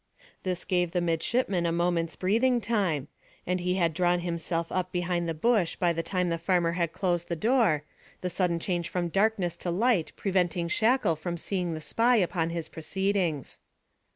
This gave the midshipman a moment's breathing time; and he had drawn himself up behind the bush by the time the farmer had closed the door, the sudden change from darkness to light preventing Shackle from seeing the spy upon his proceedings.